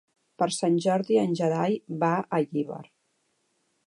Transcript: Per Sant Jordi en Gerai va a Llíber.